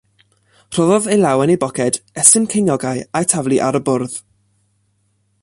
Rhoddodd ei law yn ei boced, estyn ceiniogau a'u taflu ar y bwrdd.